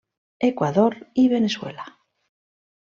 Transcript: Equador i Veneçuela.